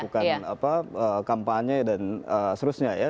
belum maksimal melakukan kampanye dan seterusnya ya